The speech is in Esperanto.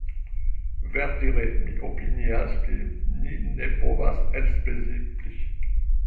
Verdire mi opinias ke ni ne povas elspezi pli.